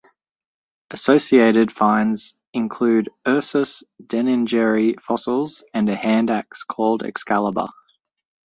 Associated finds include "Ursus deningeri" fossils and a hand axe called "Excalibur".